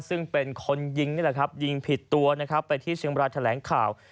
ซึ่งเป็นคนยิงผิดตัวไปที่เชียงบรรยาทแถลงข่าว